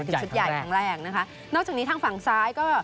ชุดใหญ่ครั้งแรกนะคะนอกจากนี้ทางฝั่งซ้ายก็